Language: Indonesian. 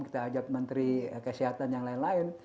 kita ajak menteri kesehatan yang lain lain